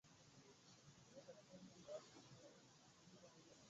Vifo vingi vya wanyama wachanga